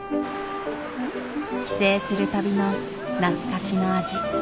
帰省するたびの懐かしの味。